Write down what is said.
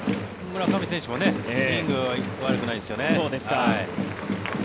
村上選手もスイング、悪くないですよね。